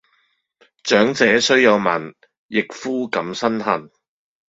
長者雖有問，役夫敢申恨？